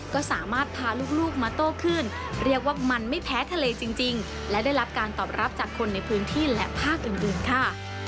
ก็สามารถพาลูกมาโตขึ้นเรียกว่ามันไม่แพ้ทะเลจริงและได้รับการตอบรับจากคนในพื้นที่และภาคอื่นค่ะ